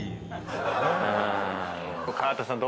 川田さん